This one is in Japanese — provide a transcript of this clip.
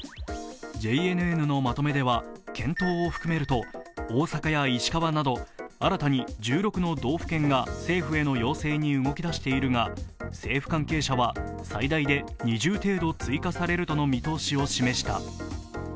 ＪＮＮのまとめでは検討を含めると大阪や石川など新たに１６の道府県が政府への要請に動きだしているが政府関係者は最大で２０程度追加されるとの見通しを示した。